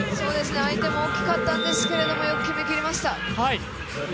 相手も大きかったんですけれどもよく決めきりました。